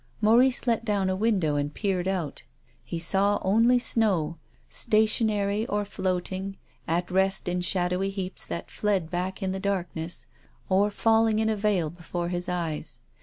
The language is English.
Maurice let down a window and peered out. He saw only snow, stationary or floating, at rest in shadowy heaps that fled back in the darkness, or falling in a veil before his eyes.